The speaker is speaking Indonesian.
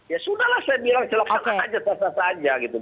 ya sudah lah saya bilang celok celok saja